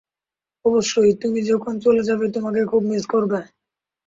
অবশ্যই, তুমি যখন চলে যাবে, তোমাকে খুব মিস করবে।